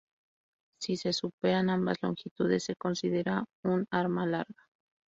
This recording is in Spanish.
Si se superan ambas longitudes, se considera un arma larga.